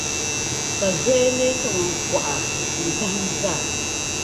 Ka zoya leei kamani kuɣa n-dahim zaa.